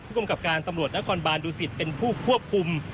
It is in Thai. กำกับการตำรวจนครบานดูสิตเป็นผู้ควบคุม